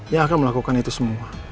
yang akan melakukan itu semua